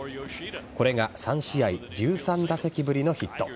これが３試合１３打席ぶりのヒット。